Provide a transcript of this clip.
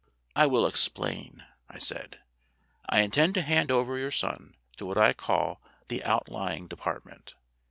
"I will explain," I said. "I intend to hand over your son to what I call the Outlying Department.